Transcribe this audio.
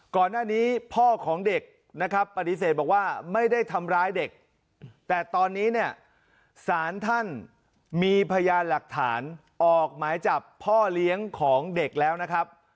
ก่อนหน้านี้พ่อของเด็กนะครับปฏิเสธบอกว่าไม่ได้ทำร้ายเด็กแต่ตอนนี้เนี่ยสารท่านมีพยานหลักฐานออกหมายจับพ่อเลี้ยงของเด็กแล้วนะครับ